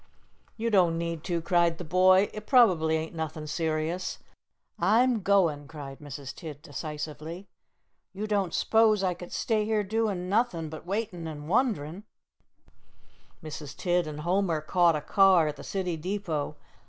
"You don't need to," cried the boy. "It probably ain't nothin' serious." "I'm goin'," cried Mrs. Tidd decisively; "you don't s'pose I could stay here doin' nothin' but waitin' an' wond'rin'?" Mrs. Tidd and Homer caught a car at the city depot.